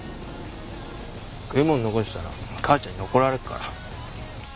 食い物残したら母ちゃんに怒られっから。